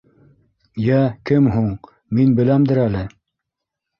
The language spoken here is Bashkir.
— Йә, кем һуң, мин беләмдер әле?